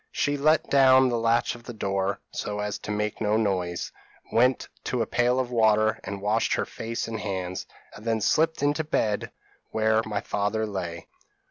She let down the latch of the door, so as to make no noise, went to a pail of water, and washed her face and hands, and then slipped into the bed where my father lay.